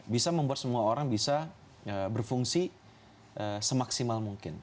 bisa membuat semua orang bisa berfungsi semaksimal mungkin